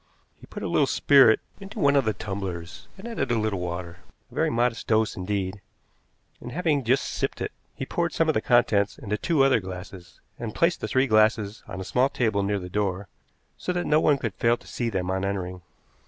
He put a little spirit into one of the tumblers and added a little water a very modest dose, indeed and, having just sipped it, he poured some of the contents into two other glasses, and placed the three glasses on a small table near the door, so that no one could fail to see them on entering.